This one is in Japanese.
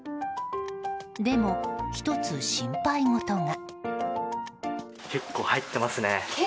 でも、１つ心配事が。